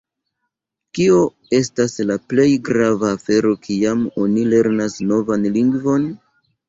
Kio estas la plej grava afero kiam oni lernas novan lingvon?